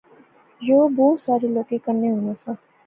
یو بہوں سارے لوکیں کنے ہونا سا